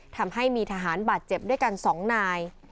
ทำให้มีทหารบาดเจ็บด้วยกัน๒นาย